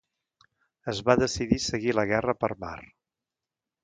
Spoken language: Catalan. Es va decidir seguir la guerra per mar.